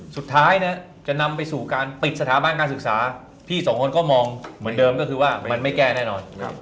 สุดท้ายนะจะนำไปสู่การปิดสถาบันการศึกษาพี่สองคนก็มองเหมือนเดิมก็คือว่ามันไม่แก้แน่นอน